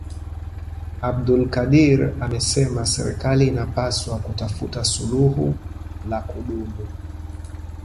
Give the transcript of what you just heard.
Abdulkadir amesema serikali inapaswa kutafuta suluhu la kudumu